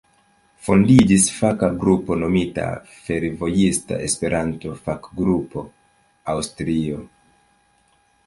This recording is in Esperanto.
Fondiĝis faka grupo nomita "Fervojista Esperanto-Fakgrupo Aŭstrio".